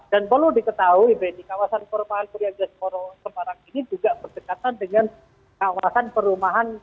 dan perlu diketahui benny kawasan perumahan polri adas koro semarang ini juga berdekatan dengan kawasan perumahan